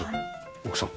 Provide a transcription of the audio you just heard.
奥さんが？